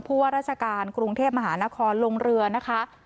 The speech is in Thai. ว่าราชการกรุงเทพมหานครลงเรือนะคะ